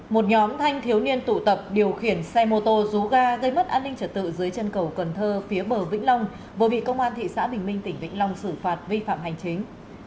một nhóm thanh thiếu niên tụ tập điều khiển xe mô tô rú ga gây mất an ninh trật tự dưới chân cầu cần thơ phía bờ vĩnh long vừa bị công an thị xã bình minh tỉnh vĩnh long xử phạt vi phạm hành chính